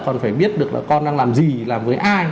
còn phải biết được là con đang làm gì là với ai